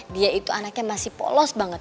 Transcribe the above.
dia itu anaknya masih polos banget